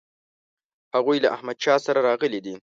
هغوی له احمدشاه سره راغلي دي.